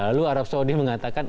lalu arab saudi mengatakan